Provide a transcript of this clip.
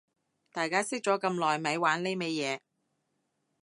大家識咗咁耐咪玩呢味嘢